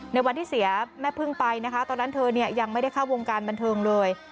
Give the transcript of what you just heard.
ในวันที่เสียแม่พึ่งไปนะคะตอนนั้นเธอเนี่ยยังไม่ได้เข้าวงการบันเทิงเลย